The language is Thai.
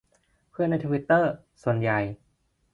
เพื่อนในทวิตเตอร์ ส่วนใหญ่